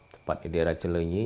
tempatnya di daerah celenyi